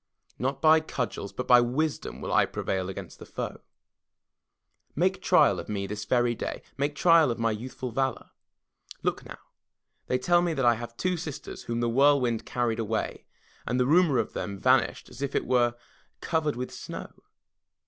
Not by cudgels but by wisdom will I prevail against the foe. Make trial of me this very day; make trial of my youthful valor. Look now! They tell me that I have two sisters whom the whirlwind carried away, and that the rumor of them vanished as if it were 28 THE TREASURE CHEST covered with snow.